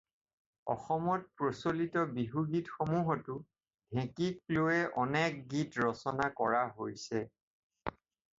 অসমত প্ৰচলিত বিহু গীতসমূহতো ঢেঁকীক লৈয়ে অনেক গীত ৰচনা কৰা হৈছে।